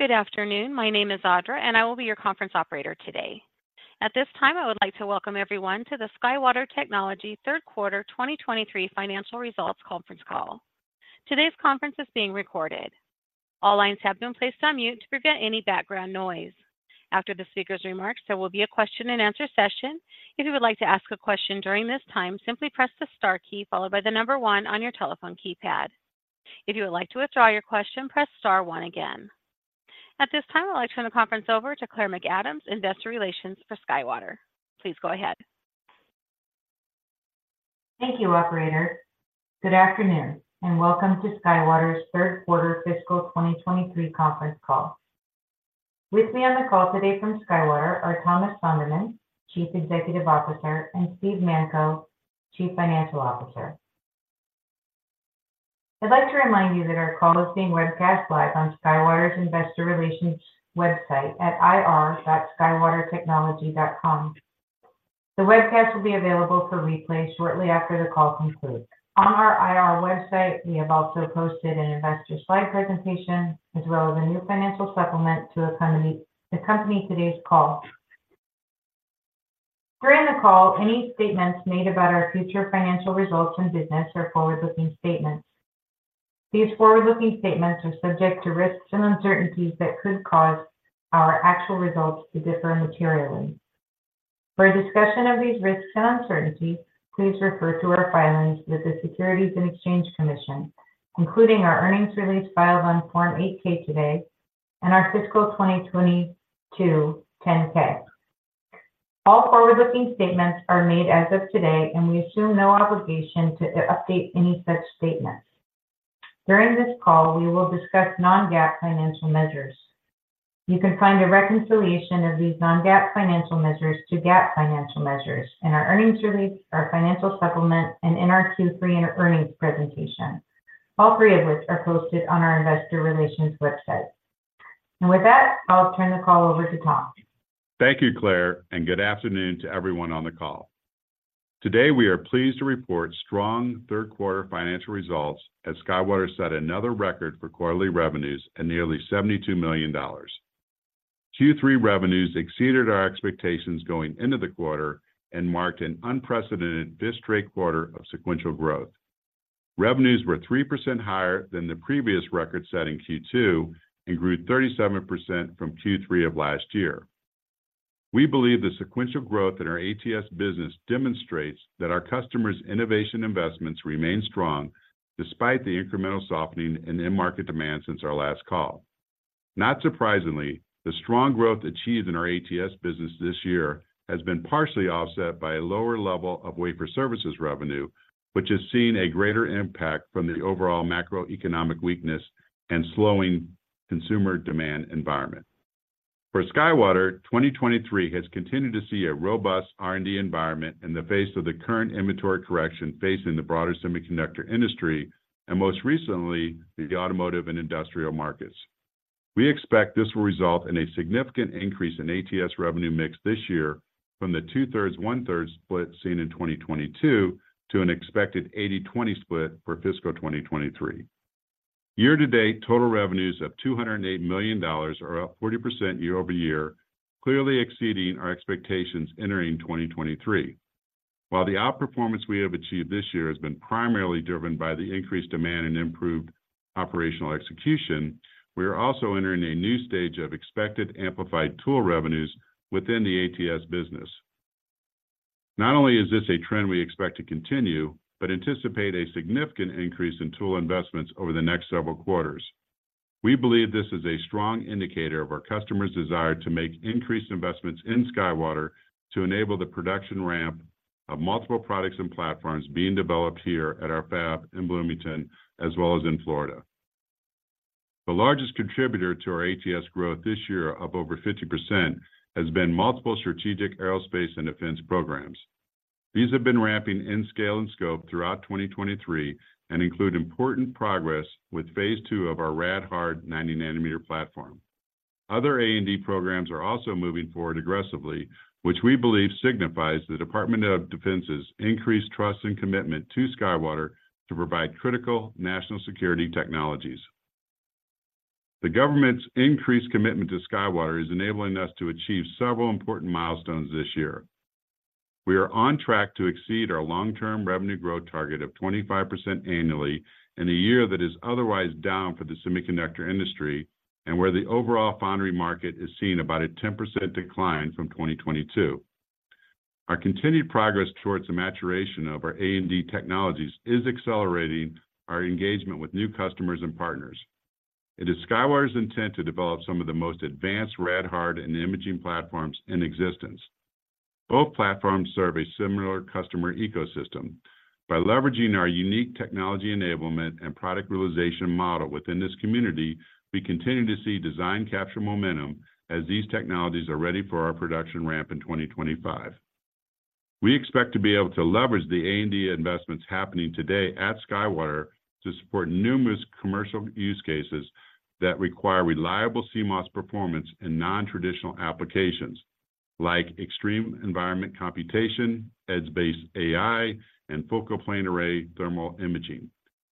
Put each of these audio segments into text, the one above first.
Good afternoon. My name is Audra, and I will be your conference operator today. At this time, I would like to welcome everyone to the SkyWater Technology third quarter 2023 financial results conference call. Today's conference is being recorded. All lines have been placed on mute to prevent any background noise. After the speaker's remarks, there will be a question-and-answer session. If you would like to ask a question during this time, simply press the star key followed by the number one on your telephone keypad. If you would like to withdraw your question, press star one again. At this time, I'd like to turn the conference over to Claire McAdams, Investor Relations for SkyWater. Please go ahead. Thank you, operator. Good afternoon, and welcome to SkyWater's third quarter fiscal 2023 conference call. With me on the call today from SkyWater are Thomas Sonderman, Chief Executive Officer, and Steve Manko, Chief Financial Officer. I'd like to remind you that our call is being webcast live on SkyWater's Investor Relations website at ir.skywatertechnology.com. The webcast will be available for replay shortly after the call concludes. On our IR website, we have also posted an investor slide presentation, as well as a new financial supplement to accompany, accompany today's call. During the call, any statements made about our future financial results and business are forward-looking statements. These forward-looking statements are subject to risks and uncertainties that could cause our actual results to differ materially. For a discussion of these risks and uncertainties, please refer to our filings with the Securities and Exchange Commission, including our earnings release filed on Form 8-K today and our fiscal 2022 10-K. All forward-looking statements are made as of today, and we assume no obligation to update any such statements. During this call, we will discuss non-GAAP financial measures. You can find a reconciliation of these non-GAAP financial measures to GAAP financial measures in our earnings release, our financial supplement, and in our Q3 earnings presentation, all three of which are posted on our Investor Relations website. With that, I'll turn the call over to Tom. Thank you, Claire, and good afternoon to everyone on the call. Today, we are pleased to report strong third quarter financial results as SkyWater set another record for quarterly revenues at nearly $72 million. Q3 revenues exceeded our expectations going into the quarter and marked an unprecedented fifth straight quarter of sequential growth. Revenues were 3% higher than the previous record set in Q2 and grew 37% from Q3 of last year. We believe the sequential growth in our ATS business demonstrates that our customers' innovation investments remain strong despite the incremental softening and end market demand since our last call. Not surprisingly, the strong growth achieved in our ATS business this year has been partially offset by a lower level of wafer services revenue, which has seen a greater impact from the overall macroeconomic weakness and slowing consumer demand environment. For SkyWater, 2023 has continued to see a robust R&D environment in the face of the current inventory correction facing the broader semiconductor industry and, most recently, the automotive and industrial markets. We expect this will result in a significant increase in ATS revenue mix this year from the 2/3-1/3 split seen in 2022 to an expected 80/20 split for fiscal 2023. Year to date, total revenues of $208 million are up 40% year over year, clearly exceeding our expectations entering 2023. While the outperformance we have achieved this year has been primarily driven by the increased demand and improved operational execution, we are also entering a new stage of expected amplified tool revenues within the ATS business. Not only is this a trend we expect to continue, but anticipate a significant increase in tool investments over the next several quarters. We believe this is a strong indicator of our customers' desire to make increased investments in SkyWater to enable the production ramp of multiple products and platforms being developed here at our fab in Bloomington, as well as in Florida. The largest contributor to our ATS growth this year, up over 50%, has been multiple strategic aerospace and defense programs. These have been ramping in scale and scope throughout 2023 and include important progress with phase II of our rad-hard 90 nanometer platform. Other A&D programs are also moving forward aggressively, which we believe signifies the Department of Defense's increased trust and commitment to SkyWater to provide critical national security technologies. The government's increased commitment to SkyWater is enabling us to achieve several important milestones this year. We are on track to exceed our long-term revenue growth target of 25% annually in a year that is otherwise down for the semiconductor industry and where the overall foundry market is seeing about a 10% decline from 2022. Our continued progress towards the maturation of our A&D technologies is accelerating our engagement with new customers and partners. It is SkyWater's intent to develop some of the most advanced rad-hard and imaging platforms in existence. Both platforms serve a similar customer ecosystem. By leveraging our unique technology enablement and product realization model within this community, we continue to see design capture momentum as these technologies are ready for our production ramp in 2025. We expect to be able to leverage the A&D investments happening today at SkyWater to support numerous commercial use cases that require reliable CMOS performance in non-traditional applications... like extreme environment computation, Edge-based AI, and focal plane array thermal imaging.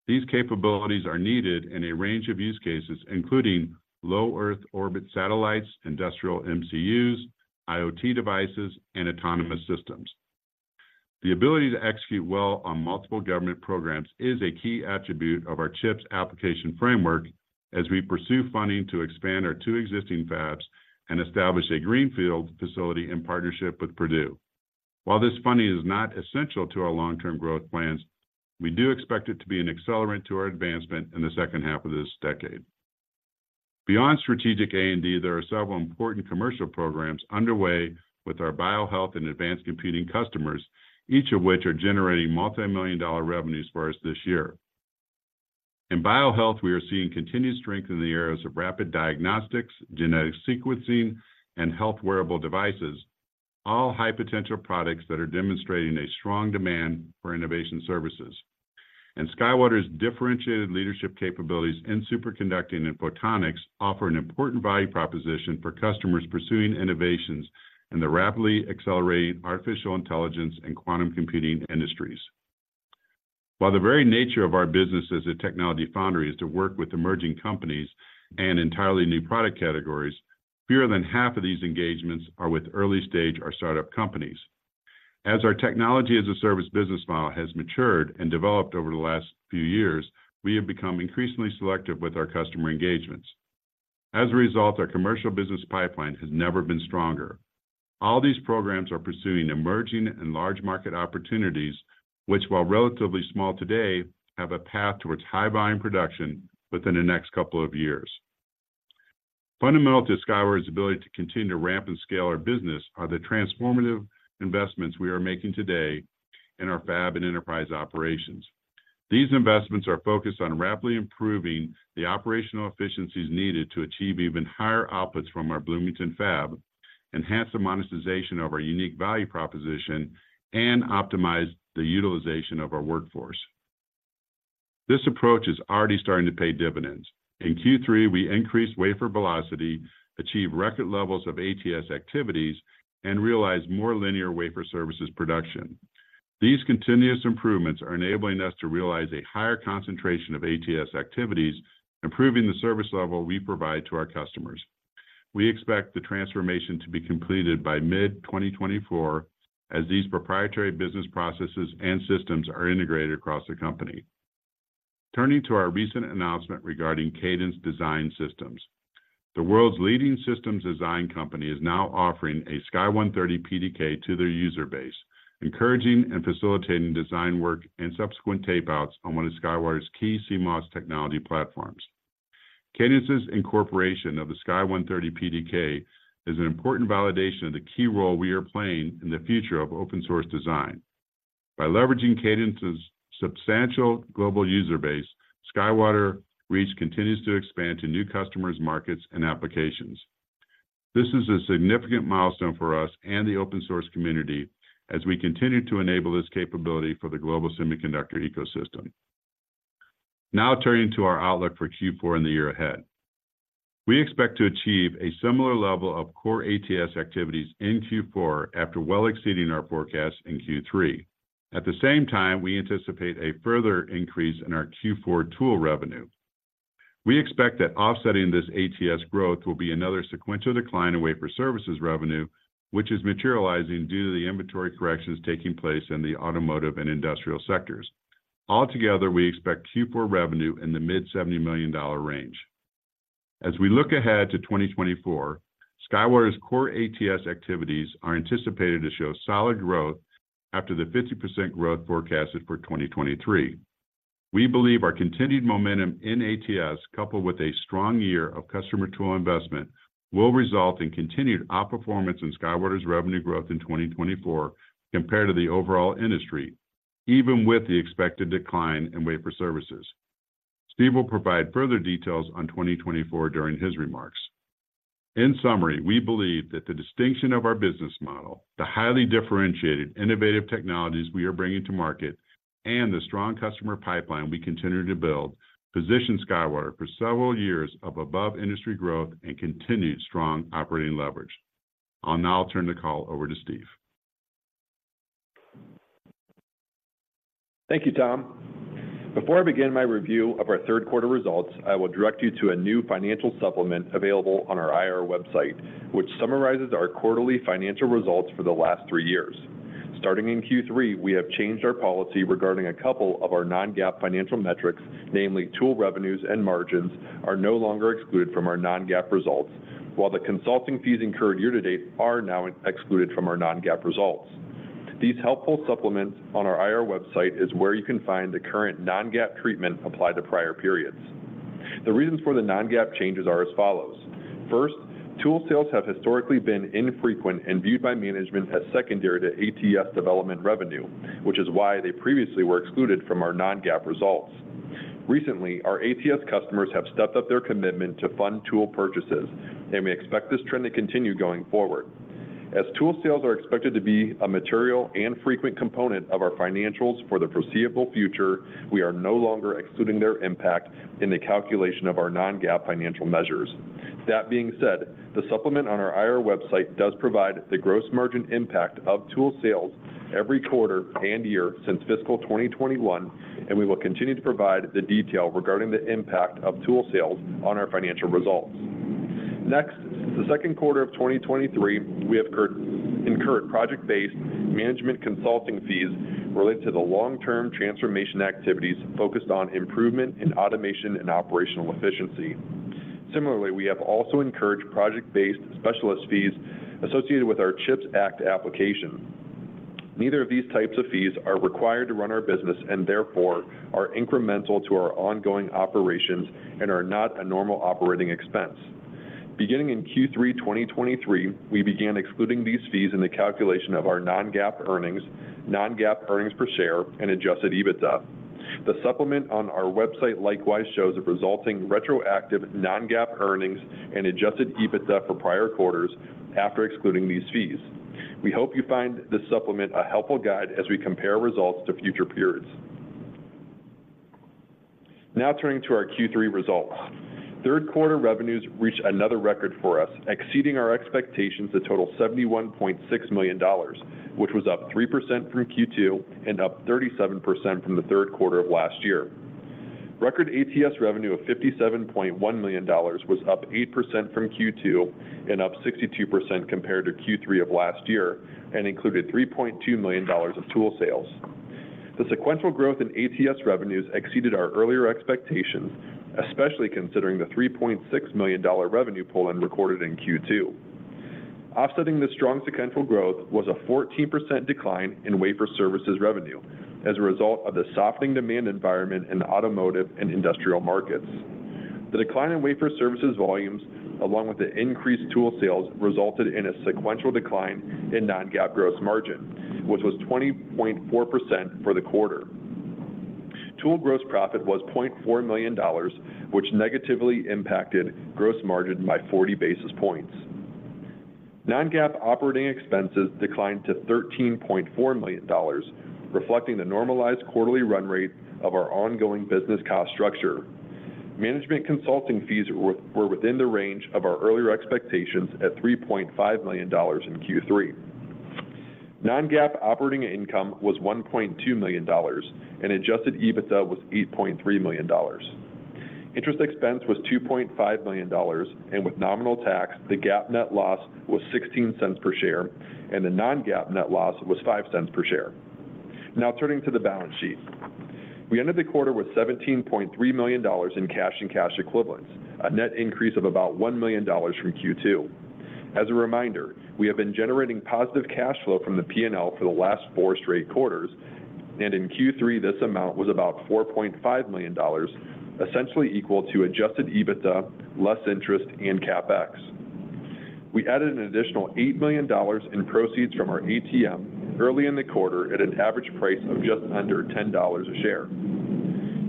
These capabilities are needed in a range of use cases, including low Earth orbit satellites, industrial MCUs, IoT devices, and autonomous systems. The ability to execute well on multiple government programs is a key attribute of our CHIPS application framework as we pursue funding to expand our two existing fabs and establish a greenfield facility in partnership with Purdue. While this funding is not essential to our long-term growth plans, we do expect it to be an accelerant to our advancement in the second half of this decade. Beyond strategic A&D, there are several important commercial programs underway with our bio-health and advanced computing customers, each of which are generating multimillion-dollar revenues for us this year. In bio-health, we are seeing continued strength in the areas of rapid diagnostics, genetic sequencing, and health wearable devices, all high-potential products that are demonstrating a strong demand for innovation services. SkyWater's differentiated leadership capabilities in superconducting and photonics offer an important value proposition for customers pursuing innovations in the rapidly accelerating artificial intelligence and quantum computing industries. While the very nature of our business as a technology foundry is to work with emerging companies and entirely new product categories, fewer than half of these engagements are with early-stage or startup companies. As our technology as a service business model has matured and developed over the last few years, we have become increasingly selective with our customer engagements. As a result, our commercial business pipeline has never been stronger. All these programs are pursuing emerging and large market opportunities, which, while relatively small today, have a path towards high-volume production within the next couple of years. Fundamental to SkyWater's ability to continue to ramp and scale our business are the transformative investments we are making today in our fab and enterprise operations. These investments are focused on rapidly improving the operational efficiencies needed to achieve even higher outputs from our Bloomington fab, enhance the monetization of our unique value proposition, and optimize the utilization of our workforce. This approach is already starting to pay dividends. In Q3, we increased wafer velocity, achieved record levels of ATS activities, and realized more linear wafer services production. These continuous improvements are enabling us to realize a higher concentration of ATS activities, improving the service level we provide to our customers. We expect the transformation to be completed by mid-2024 as these proprietary business processes and systems are integrated across the company. Turning to our recent announcement regarding Cadence Design Systems. The world's leading systems design company is now offering a Sky130 PDK to their user base, encouraging and facilitating design work and subsequent tapeouts on one of SkyWater's key CMOS technology platforms. Cadence's incorporation of the Sky130 PDK is an important validation of the key role we are playing in the future of open source design. By leveraging Cadence's substantial global user base, SkyWater's reach continues to expand to new customers, markets, and applications. This is a significant milestone for us and the open source community as we continue to enable this capability for the global semiconductor ecosystem. Now, turning to our outlook for Q4 and the year ahead. We expect to achieve a similar level of core ATS activities in Q4 after well exceeding our forecast in Q3. At the same time, we anticipate a further increase in our Q4 tool revenue. We expect that offsetting this ATS growth will be another sequential decline in wafer services revenue, which is materializing due to the inventory corrections taking place in the automotive and industrial sectors. Altogether, we expect Q4 revenue in the mid-$70 million range. As we look ahead to 2024, SkyWater's core ATS activities are anticipated to show solid growth after the 50% growth forecasted for 2023. We believe our continued momentum in ATS, coupled with a strong year of customer tool investment, will result in continued outperformance in SkyWater's revenue growth in 2024 compared to the overall industry, even with the expected decline in wafer services. Steve will provide further details on 2024 during his remarks. In summary, we believe that the distinction of our business model, the highly differentiated, innovative technologies we are bringing to market, and the strong customer pipeline we continue to build, position SkyWater for several years of above-industry growth and continued strong operating leverage. I'll now turn the call over to Steve. Thank you, Tom. Before I begin my review of our third quarter results, I will direct you to a new financial supplement available on our IR website, which summarizes our quarterly financial results for the last three years. Starting in Q3, we have changed our policy regarding a couple of our non-GAAP financial metrics, namely, tool revenues and margins are no longer excluded from our non-GAAP results, while the consulting fees incurred year to date are now excluded from our non-GAAP results. These helpful supplements on our IR website is where you can find the current non-GAAP treatment applied to prior periods. The reasons for the non-GAAP changes are as follows: First, tool sales have historically been infrequent and viewed by management as secondary to ATS development revenue, which is why they previously were excluded from our non-GAAP results. Recently, our ATS customers have stepped up their commitment to fund tool purchases, and we expect this trend to continue going forward. As tool sales are expected to be a material and frequent component of our financials for the foreseeable future, we are no longer excluding their impact in the calculation of our non-GAAP financial measures. That being said, the supplement on our IR website does provide the gross margin impact of tool sales every quarter and year since fiscal 2021, and we will continue to provide the detail regarding the impact of tool sales on our financial results. Next, in the second quarter of 2023, we have incurred project-based management consulting fees related to the long-term transformation activities focused on improvement in automation and operational efficiency. Similarly, we have also incurred project-based specialist fees associated with our CHIPS Act application. Neither of these types of fees are required to run our business, and therefore, are incremental to our ongoing operations and are not a normal operating expense. Beginning in Q3 2023, we began excluding these fees in the calculation of our non-GAAP earnings, non-GAAP earnings per share, and adjusted EBITDA. The supplement on our website likewise shows the resulting retroactive non-GAAP earnings and adjusted EBITDA for prior quarters after excluding these fees. We hope you find this supplement a helpful guide as we compare results to future periods. Now, turning to our Q3 results. Third quarter revenues reached another record for us, exceeding our expectations to total $71.6 million, which was up 3% from Q2 and up 37% from the third quarter of last year. Record ATS revenue of $57.1 million was up 8% from Q2 and up 62% compared to Q3 of last year, and included $3.2 million of tool sales. The sequential growth in ATS revenues exceeded our earlier expectations, especially considering the $3.6 million dollar revenue pull-in recorded in Q2. Offsetting the strong sequential growth was a 14% decline in wafer services revenue as a result of the softening demand environment in the automotive and industrial markets. The decline in wafer services volumes, along with the increased tool sales, resulted in a sequential decline in non-GAAP gross margin, which was 20.4% for the quarter. Tool gross profit was $0.4 million, which negatively impacted gross margin by 40 basis points. Non-GAAP operating expenses declined to $13.4 million, reflecting the normalized quarterly run rate of our ongoing business cost structure. Management consulting fees were within the range of our earlier expectations at $3.5 million in Q3. Non-GAAP operating income was $1.2 million, and adjusted EBITDA was $8.3 million. Interest expense was $2.5 million, and with nominal tax, the GAAP net loss was $0.16 per share, and the non-GAAP net loss was $0.05 per share. Now, turning to the balance sheet. We ended the quarter with $17.3 million in cash and cash equivalents, a net increase of about $1 million from Q2. As a reminder, we have been generating positive cash flow from the P&L for the last four straight quarters, and in Q3, this amount was about $4.5 million, essentially equal to adjusted EBITDA, less interest and CapEx. We added an additional $8 million in proceeds from our ATM early in the quarter at an average price of just under $10 a share.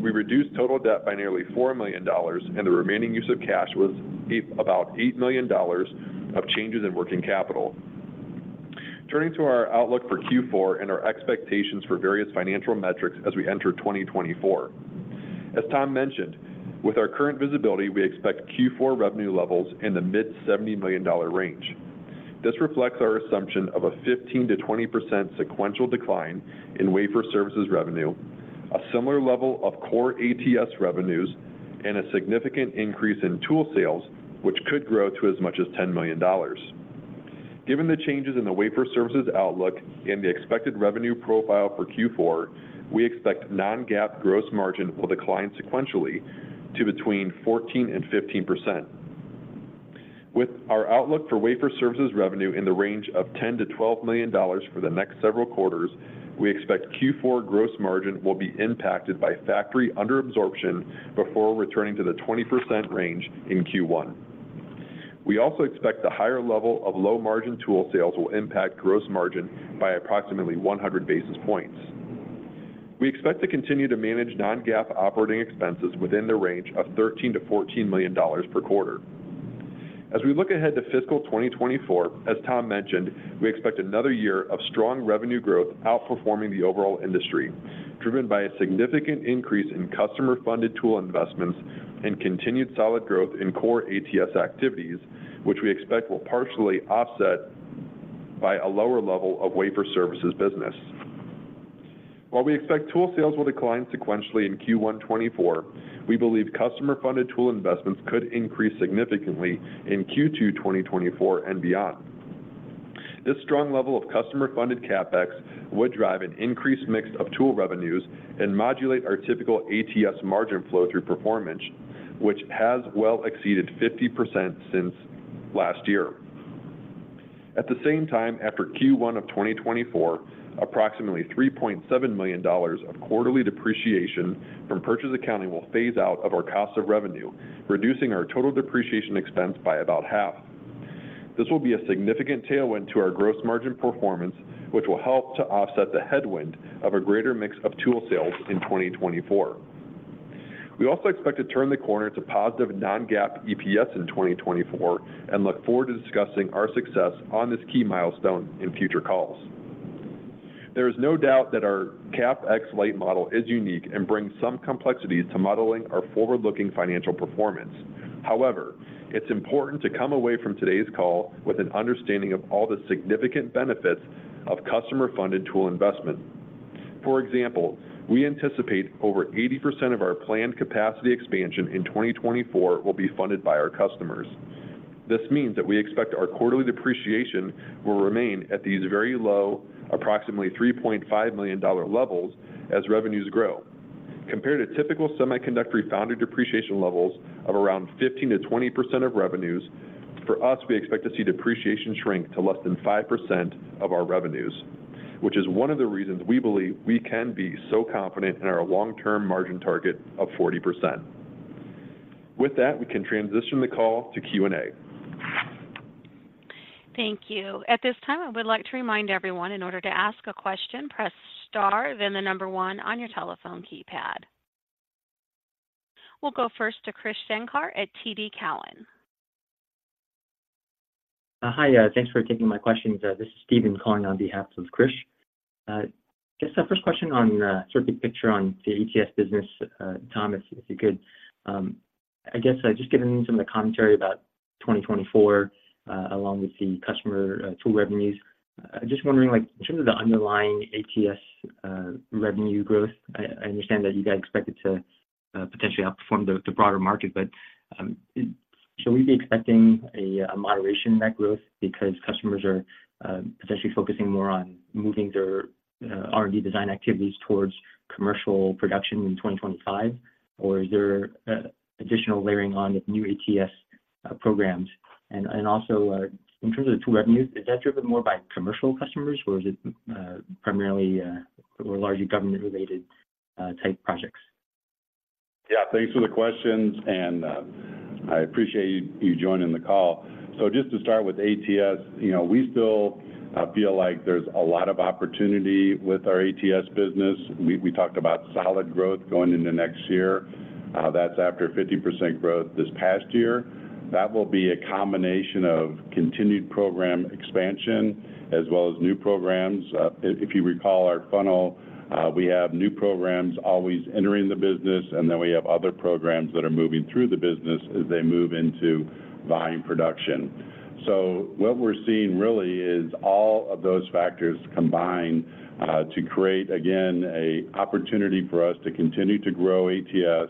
We reduced total debt by nearly $4 million, and the remaining use of cash was about $8 million of changes in working capital. Turning to our outlook for Q4 and our expectations for various financial metrics as we enter 2024. As Tom mentioned, with our current visibility, we expect Q4 revenue levels in the mid-$70 million range. This reflects our assumption of a 15%-20% sequential decline in wafer services revenue, a similar level of core ATS revenues, and a significant increase in tool sales, which could grow to as much as $10 million. Given the changes in the wafer services outlook and the expected revenue profile for Q4, we expect non-GAAP gross margin will decline sequentially to between 14% and 15%. With our outlook for wafer services revenue in the range of $10 million-$12 million for the next several quarters, we expect Q4 gross margin will be impacted by factory under absorption before returning to the 20% range in Q1. We also expect the higher level of low margin tool sales will impact gross margin by approximately 100 basis points. We expect to continue to manage non-GAAP operating expenses within the range of $13 million-$14 million per quarter. As we look ahead to fiscal 2024, as Tom mentioned, we expect another year of strong revenue growth outperforming the overall industry, driven by a significant increase in customer-funded tool investments and continued solid growth in core ATS activities, which we expect will partially offset by a lower level of wafer services business. While we expect tool sales will decline sequentially in Q1 2024, we believe customer-funded tool investments could increase significantly in Q2 2024 and beyond. This strong level of customer-funded CapEx would drive an increased mix of tool revenues and modulate our typical ATS margin flow-through performance, which has well exceeded 50% since last year. At the same time, after Q1 of 2024, approximately $3.7 million of quarterly depreciation from purchase accounting will phase out of our cost of revenue, reducing our total depreciation expense by about half. This will be a significant tailwind to our gross margin performance, which will help to offset the headwind of a greater mix of tool sales in 2024. We also expect to turn the corner to positive non-GAAP EPS in 2024 and look forward to discussing our success on this key milestone in future calls. There is no doubt that our CapEx-light model is unique and brings some complexities to modeling our forward-looking financial performance. However, it's important to come away from today's call with an understanding of all the significant benefits of customer-funded tool investment. For example, we anticipate over 80% of our planned capacity expansion in 2024 will be funded by our customers. This means that we expect our quarterly depreciation will remain at these very low, approximately $3.5 million levels as revenues grow. Compared to typical semiconductor foundry depreciation levels of around 15%-20% of revenues, for us, we expect to see depreciation shrink to less than 5% of our revenues, which is one of the reasons we believe we can be so confident in our long-term margin target of 40%. With that, we can transition the call to Q&A. Thank you. At this time, I would like to remind everyone, in order to ask a question, press star, then the number one on your telephone keypad. We'll go first to Krish Sankar at TD Cowen. Hi, thanks for taking my questions. This is Steven calling on behalf of Krish. Just a first question on the current picture on the ATS business, Tom, if you could. I guess, just given some of the commentary about 2024, along with the customer tool revenues, just wondering, like, in terms of the underlying ATS revenue growth, I understand that you guys expect it to potentially outperform the broader market. But should we be expecting a moderation in that growth because customers are potentially focusing more on moving their R&D design activities towards commercial production in 2025? Or is there additional layering on with new ATS programs? Also, in terms of the tool revenues, is that driven more by commercial customers, or is it primarily, or largely government-related type projects? Yeah, thanks for the questions, and, I appreciate you, you joining the call. So just to start with ATS, you know, we still, feel like there's a lot of opportunity with our ATS business. We, we talked about solid growth going into next year. That's after 50% growth this past year. That will be a combination of continued program expansion, as well as new programs. If, if you recall our funnel, we have new programs always entering the business, and then we have other programs that are moving through the business as they move into volume production. So what we're seeing really is all of those factors combined, to create, again, a opportunity for us to continue to grow ATS.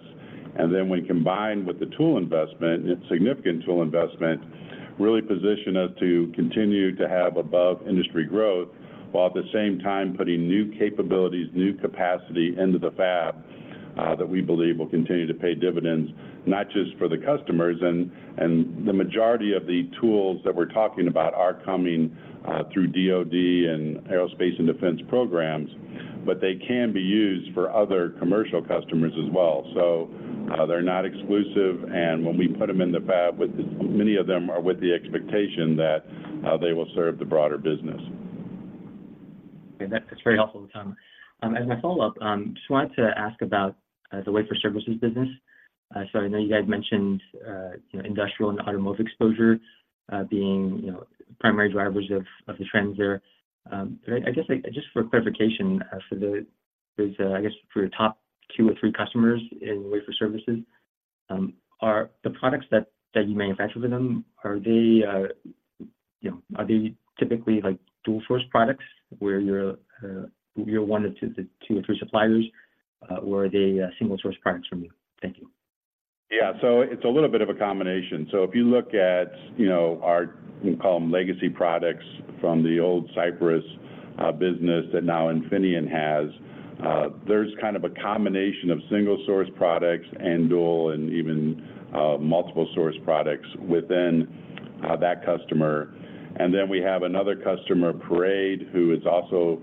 And then when combined with the tool investment, and it's significant tool investment, really position us to continue to have above-industry growth, while at the same time, putting new capabilities, new capacity into the fab, that we believe will continue to pay dividends. Not just for the customers and, and the majority of the tools that we're talking about are coming through DoD and Aerospace and Defense programs, but they can be used for other commercial customers as well. So, they're not exclusive, and when we put them in the fab, with the many of them are with the expectation that they will serve the broader business. Okay. That's very helpful, Tom. As my follow-up, just wanted to ask about the wafer services business. So I know you guys mentioned, you know, industrial and automotive exposure being, you know, primary drivers of the trends there. I guess, like, just for clarification, for those, I guess, for your top two or three customers in wafer services, are the products that you manufacture for them, are they, you know, are they typically like dual-source products, where you're one of two or three suppliers, or are they single-source products from you? Thank you. Yeah. So it's a little bit of a combination. So if you look at, you know, our, you can call them legacy products from the old Cypress business that now Infineon has, there's kind of a combination of single-source products and dual and even multiple-source products within that customer. And then, we have another customer, Parade, who is also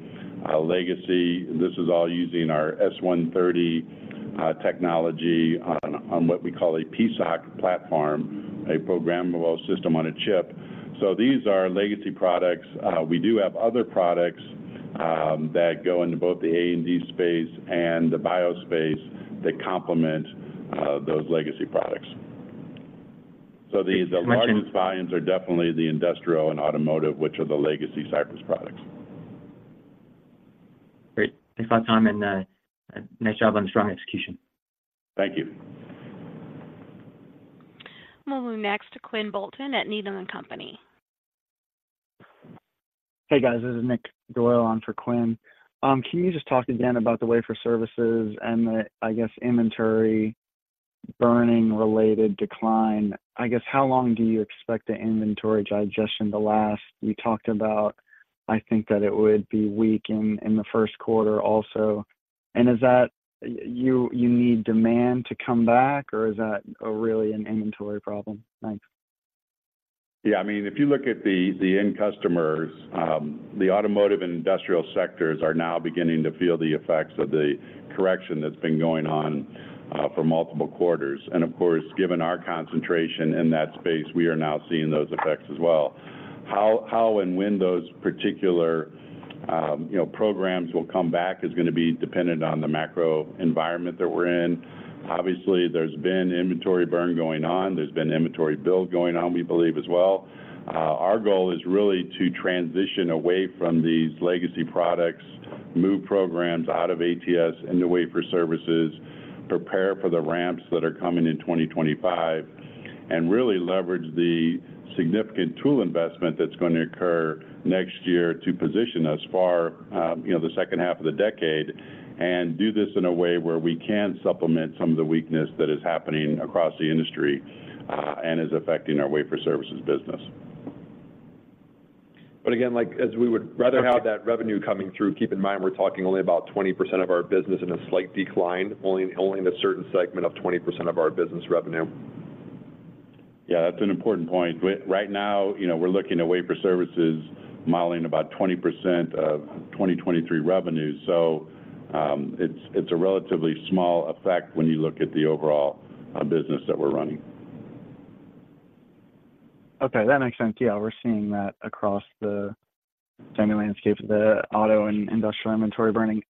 a legacy. This is all using our S130 technology on what we call a PSoC platform, a programmable system-on-a-chip. So these are legacy products. We do have other products that go into both the A&D space and the bio space that complement those legacy products. Just- The largest volumes are definitely the industrial and automotive, which are the legacy Cypress products. Great. Thanks a lot, Tom, and nice job on the strong execution. Thank you. We'll move next to Quinn Bolton at Needham and Company. Hey, guys, this is Nick Doyle on for Quinn. Can you just talk again about the wafer services and the, I guess, inventory burning-related decline? I guess, how long do you expect the inventory digestion to last? You talked about, I think, that it would be weak in the first quarter also. And is that you need demand to come back, or is that really an inventory problem? Thanks. Yeah, I mean, if you look at the end customers, the automotive and industrial sectors are now beginning to feel the effects of the correction that's been going on for multiple quarters. And of course, given our concentration in that space, we are now seeing those effects as well. How and when those particular, you know, programs will come back is gonna be dependent on the macro environment that we're in. Obviously, there's been inventory burn going on. There's been inventory build going on, we believe as well. Our goal is really to transition away from these legacy products, move programs out of ATS into wafer services, prepare for the ramps that are coming in 2025, and really leverage the significant tool investment that's going to occur next year to position us for, you know, the second half of the decade, and do this in a way where we can supplement some of the weakness that is happening across the industry, and is affecting our wafer services business. But again, like, as we would rather have that revenue coming through, keep in mind we're talking only about 20% of our business in a slight decline, only, only in a certain segment of 20% of our business revenue. Yeah, that's an important point. Right now, you know, we're looking at wafer services modeling about 20% of 2023 revenues, so it's a relatively small effect when you look at the overall business that we're running. Okay, that makes sense. Yeah, we're seeing that across the semi landscape, the auto and industrial inventory burning.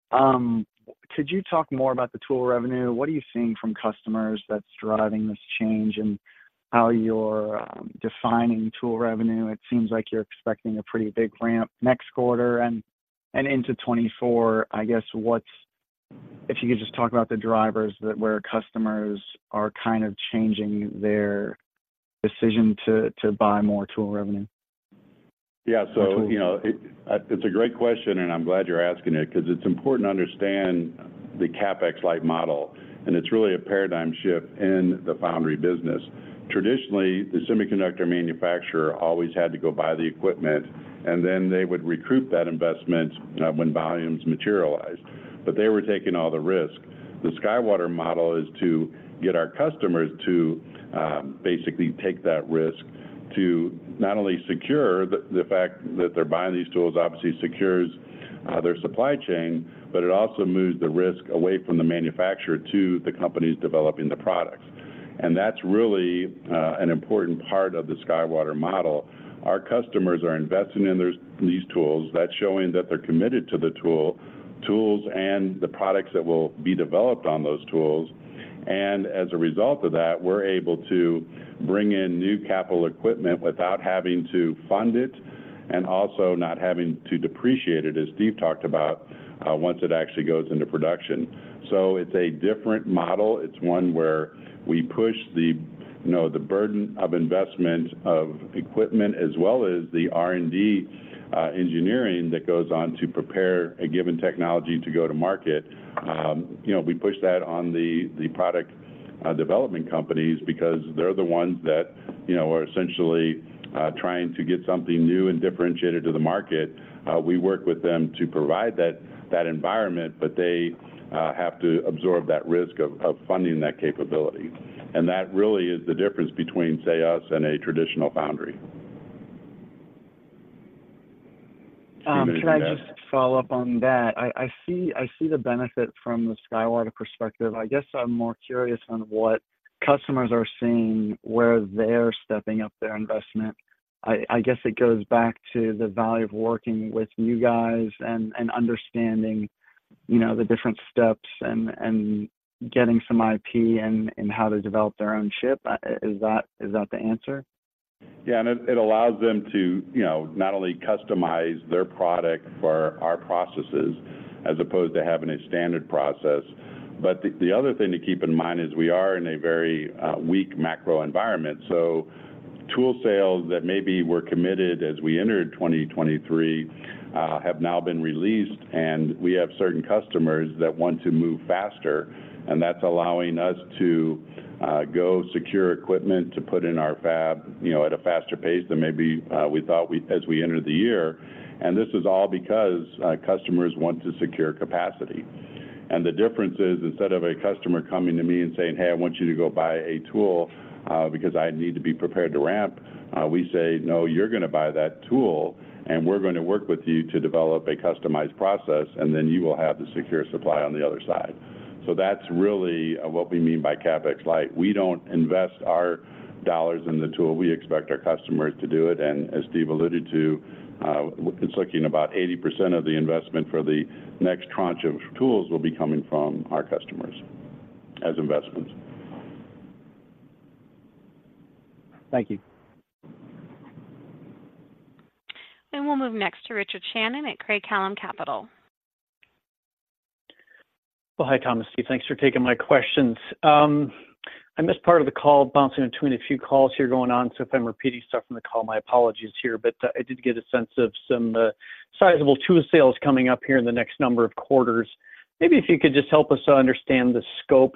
Could you talk more about the tool revenue? What are you seeing from customers that's driving this change, and how you're defining tool revenue? It seems like you're expecting a pretty big ramp next quarter and into 2024. I guess, what—if you could just talk about the drivers that where customers are kind of changing their decision to, to buy more tool revenue. Yeah. So, you know, it, it's a great question, and I'm glad you're asking it 'cause it's important to understand the CapEx-light model, and it's really a paradigm shift in the foundry business. Traditionally, the semiconductor manufacturer always had to go buy the equipment, and then they would recruit that investment, when volumes materialized, but they were taking all the risk. The SkyWater model is to get our customers to basically take that risk to not only secure the fact that they're buying these tools, obviously secures their supply chain, but it also moves the risk away from the manufacturer to the companies developing the products. And that's really an important part of the SkyWater model. Our customers are investing in these tools. That's showing that they're committed to the tools and the products that will be developed on those tools. As a result of that, we're able to bring in new capital equipment without having to fund it, and also not having to depreciate it, as Steve talked about, once it actually goes into production. It's a different model. It's one where we push the, you know, the burden of investment of equipment, as well as the R&D, engineering that goes on to prepare a given technology to go to market. You know, we push that on the, the product, development companies because they're the ones that, you know, are essentially, trying to get something new and differentiated to the market. We work with them to provide that, that environment, but they, have to absorb that risk of, of funding that capability. That really is the difference between, say, us and a traditional foundry. Could I just follow up on that? I see, I see the benefit from the SkyWater perspective. I guess I'm more curious on what customers are seeing, where they're stepping up their investment. I guess it goes back to the value of working with you guys and understanding, you know, the different steps, and getting some IP, and how to develop their own chip. Is that the answer? Yeah, and it allows them to, you know, not only customize their product for our processes as opposed to having a standard process. But the other thing to keep in mind is we are in a very weak macro environment, so tool sales that maybe were committed as we entered 2023 have now been released, and we have certain customers that want to move faster, and that's allowing us to go secure equipment to put in our fab, you know, at a faster pace than maybe we thought as we entered the year. And this is all because customers want to secure capacity. The difference is, instead of a customer coming to me and saying, "Hey, I want you to go buy a tool, because I need to be prepared to ramp," we say, "No, you're gonna buy that tool, and we're gonna work with you to develop a customized process, and then you will have the secure supply on the other side." So that's really, what we mean by CapEx-light. We don't invest our dollars in the tool. We expect our customers to do it. And as Steve alluded to, it's looking about 80% of the investment for the next tranche of tools will be coming from our customers as investments. Thank you. We'll move next to Richard Shannon at Craig-Hallum Capital. Well, hi, Tom and Steve. Thanks for taking my questions. I missed part of the call, bouncing between a few calls here going on, so if I'm repeating stuff from the call, my apologies here. But I did get a sense of some sizable tool sales coming up here in the next number of quarters. Maybe if you could just help us understand the scope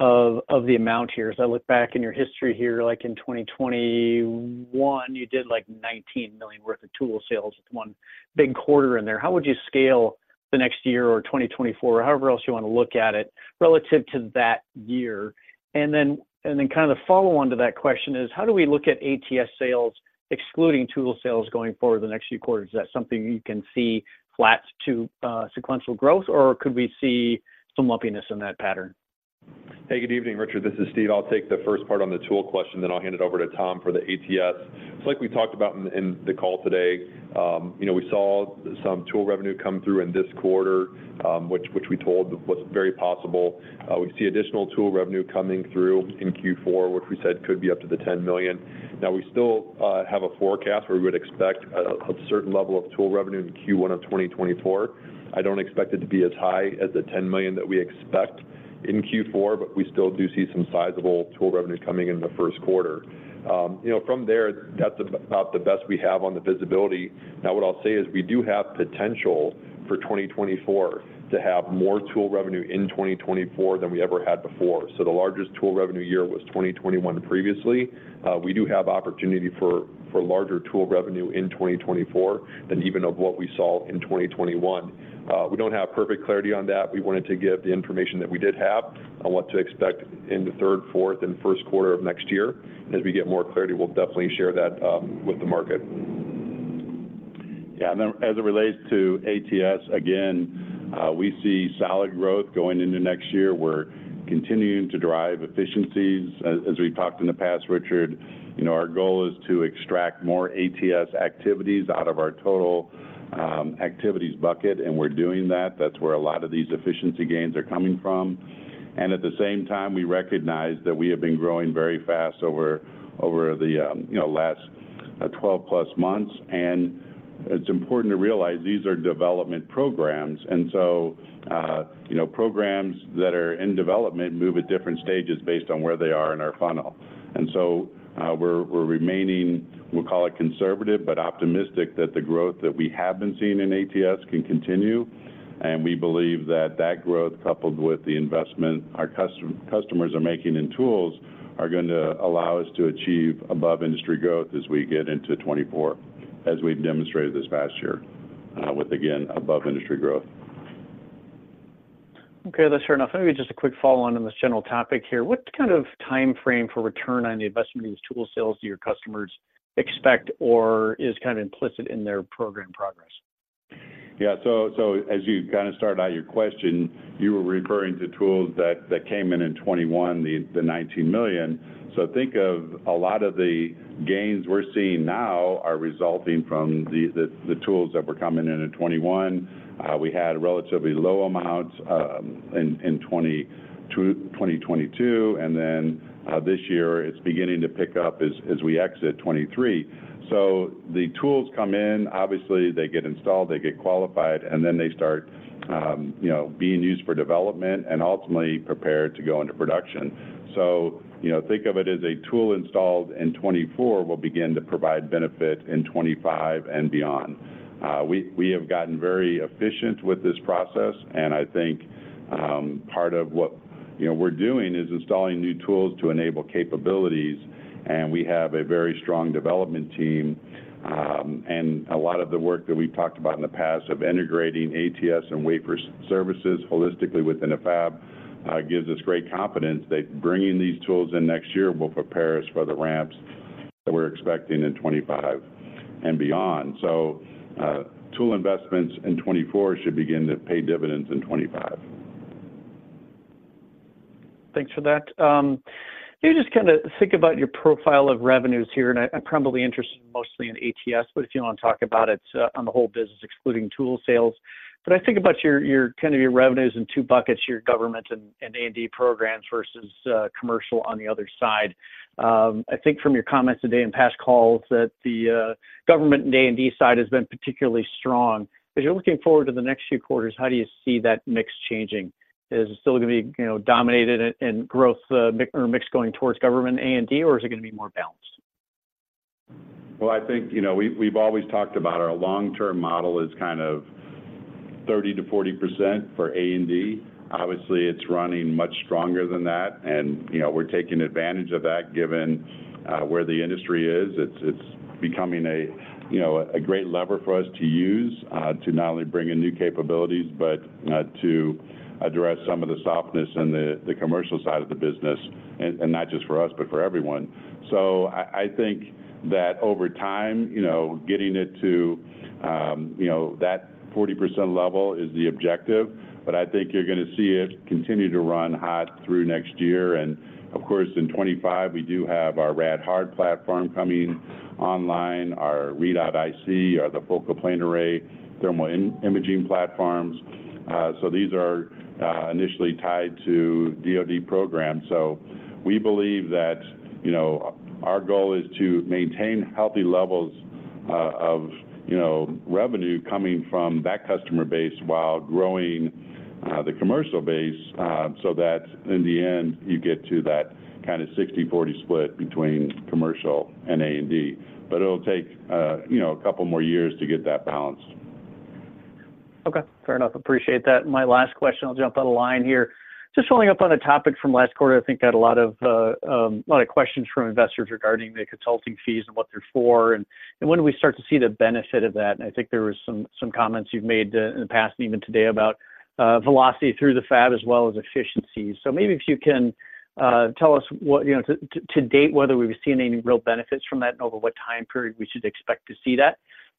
of the amount here. As I look back in your history here, like in 2021, you did, like, $19 million worth of tool sales, one big quarter in there. How would you scale the next year or 2024, however else you want to look at it, relative to that year? And then kind of follow-on to that question is: How do we look at ATS sales, excluding tool sales, going forward the next few quarters? Is that something you can see flat to, sequential growth, or could we see some lumpiness in that pattern? Hey, good evening, Richard. This is Steve. I'll take the first part on the tool question, then I'll hand it over to Tom for the ATS. So like we talked about in the call today, you know, we saw some tool revenue come through in this quarter, which we told was very possible. We see additional tool revenue coming through in Q4, which we said could be up to $10 million. Now, we still have a forecast where we would expect a certain level of tool revenue in Q1 of 2024. I don't expect it to be as high as the $10 million that we expect in Q4, but we still do see some sizable tool revenue coming in the first quarter. You know, from there, that's about the best we have on the visibility. Now, what I'll say is we do have potential for 2024 to have more tool revenue in 2024 than we ever had before. So the largest tool revenue year was 2021 previously. We do have opportunity for larger tool revenue in 2024 than even of what we saw in 2021. We don't have perfect clarity on that. We wanted to give the information that we did have on what to expect in the third, fourth, and first quarter of next year. As we get more clarity, we'll definitely share that with the market. Yeah, and then as it relates to ATS, again, we see solid growth going into next year. We're continuing to drive efficiencies. As we've talked in the past, Richard, you know, our goal is to extract more ATS activities out of our total activities bucket, and we're doing that. That's where a lot of these efficiency gains are coming from. And at the same time, we recognize that we have been growing very fast over the, you know, last 12+ months. And it's important to realize these are development programs, and so, you know, programs that are in development move at different stages based on where they are in our funnel. And so, we're remaining, we'll call it conservative, but optimistic that the growth that we have been seeing in ATS can continue, and we believe that that growth, coupled with the investment our customers are making in tools, are going to allow us to achieve above-industry growth as we get into 2024, as we've demonstrated this past year, with, again, above-industry growth. Okay, that's fair enough. Maybe just a quick follow-on on this general topic here. What kind of timeframe for return on the investment of these tool sales do your customers expect or is kind of implicit in their program progress? Yeah. So as you kind of started out your question, you were referring to tools that came in in 2021, the $19 million. So think of a lot of the gains we're seeing now are resulting from the tools that were coming in in 2021. We had relatively low amounts in 2022, and then this year, it's beginning to pick up as we exit 2023. So the tools come in, obviously, they get installed, they get qualified, and then they start you know, being used for development and ultimately prepared to go into production. So, you know, think of it as a tool installed in 2024 will begin to provide benefit in 2025 and beyond. We have gotten very efficient with this process, and I think part of what, you know, we're doing is installing new tools to enable capabilities, and we have a very strong development team. And a lot of the work that we've talked about in the past of integrating ATS and wafer services holistically within a fab gives us great confidence that bringing these tools in next year will prepare us for the ramps that we're expecting in 2025 and beyond. So, tool investments in 2024 should begin to pay dividends in 2025. Thanks for that. Maybe just kind of think about your profile of revenues here, and I'm probably interested mostly in ATS, but if you want to talk about it, on the whole business, excluding tool sales. But I think about your kind of revenues in two buckets, your government and A&D programs versus commercial on the other side. I think from your comments today in past calls, that the government and A&D side has been particularly strong. As you're looking forward to the next few quarters, how do you see that mix changing? Is it still gonna be, you know, dominated in growth or mix going towards government A&D, or is it gonna be more balanced? Well, I think, you know, we've, we've always talked about our long-term model as kind of 30%-40% for A&D. Obviously, it's running much stronger than that, and, you know, we're taking advantage of that, given where the industry is. It's, it's becoming a, you know, a great lever for us to use to not only bring in new capabilities, but to address some of the softness in the, the commercial side of the business, and, and not just for us, but for everyone. So I, I think that over time, you know, getting it to, you know, that 40% level is the objective, but I think you're gonna see it continue to run hot through next year. Of course, in 2025, we do have our rad-hard platform coming online, our readout IC, or the focal plane array thermal imaging platforms. So these are initially tied to DoD programs. So we believe that, you know, our goal is to maintain healthy levels of, you know, revenue coming from that customer base while growing the commercial base so that in the end, you get to that kind of 60/40 split between commercial and A&D. But it'll take, you know, a couple more years to get that balance. Okay, fair enough. Appreciate that. My last question, I'll jump on the line here. Just following up on a topic from last quarter, I think had a lot of, a lot of questions from investors regarding the consulting fees and what they're for, and, and when do we start to see the benefit of that? And I think there were some comments you've made in the past and even today about velocity through the fab as well as efficiency. So maybe tell us what, you know, to date, whether we've seen any real benefits from that, and over what time period we should expect to see that?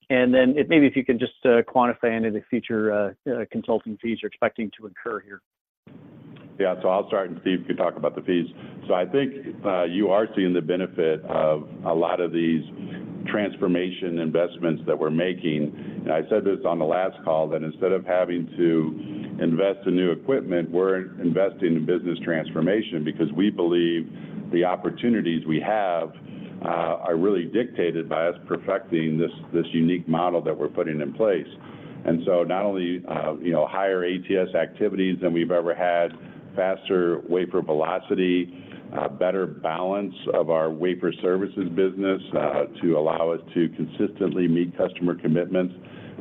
And then, maybe you can just quantify any of the future consulting fees you're expecting to incur here. Yeah. So I'll start, and Steve can talk about the fees. So I think you are seeing the benefit of a lot of these transformation investments that we're making. And I said this on the last call, that instead of having to invest in new equipment, we're investing in business transformation, because we believe the opportunities we have are really dictated by us perfecting this, this unique model that we're putting in place. And so not only, you know, higher ATS activities than we've ever had, faster wafer velocity, better balance of our wafer services business, to allow us to consistently meet customer commitments.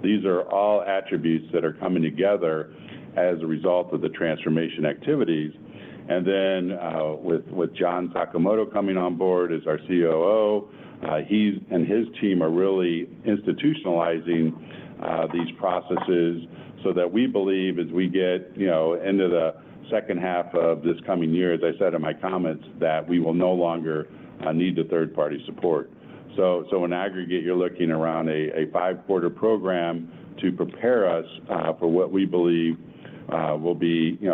These are all attributes that are coming together as a result of the transformation activities. And then, with John Sakamoto coming on board as our COO, he and his team are really institutionalizing these processes, so that we believe as we get, you know, into the second half of this coming year, as I said in my comments, that we will no longer need the third-party support. So in aggregate, you're looking around a five-quarter program to prepare us for what we believe will be, you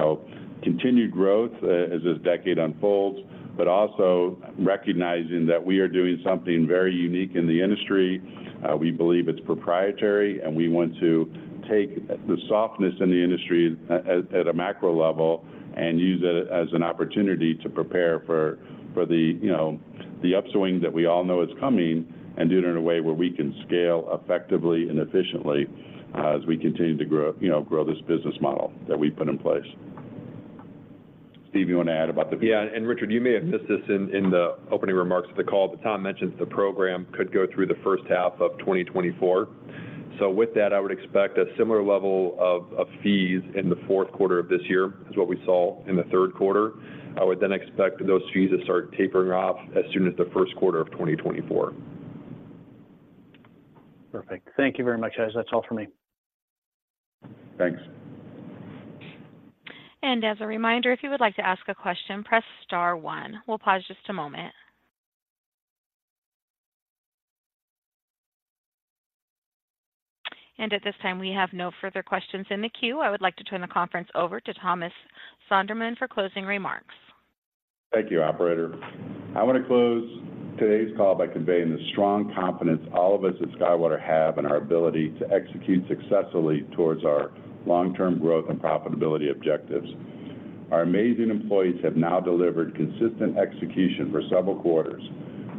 know, continued growth as this decade unfolds, but also recognizing that we are doing something very unique in the industry. We believe it's proprietary, and we want to take the softness in the industry at a macro level and use it as an opportunity to prepare for the, you know, the upswing that we all know is coming, and do it in a way where we can scale effectively and efficiently, as we continue to grow, you know, grow this business model that we've put in place. Steve, you want to add about that. Yeah, and Richard, you may have said this in the opening remarks of the call, but Tom mentioned the program could go through the first half of 2024. So with that, I would expect a similar level of fees in the fourth quarter of this year as what we saw in the third quarter. I would then expect those fees to start tapering off as soon as the first quarter of 2024. Perfect. Thank you very much, guys. That's all for me. Thanks. As a reminder, if you would like to ask a question, press star one. We'll pause just a moment. At this time, we have no further questions in the queue. I would like to turn the conference over to Thomas Sonderman for closing remarks. Thank you, operator. I want to close today's call by conveying the strong confidence all of us at SkyWater have in our ability to execute successfully towards our long-term growth and profitability objectives. Our amazing employees have now delivered consistent execution for several quarters.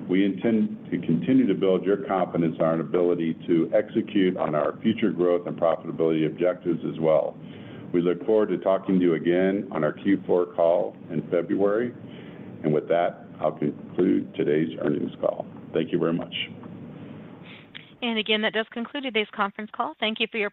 We intend to continue to build your confidence in our ability to execute on our future growth and profitability objectives as well. We look forward to talking to you again on our Q4 call in February. And with that, I'll conclude today's earnings call. Thank you very much. Again, that does conclude today's conference call. Thank you for your participation.